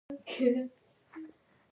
دوی پوهېږي چې خلک ورسره څه کوي.